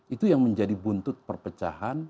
itu yang menjadi buntut perpecahan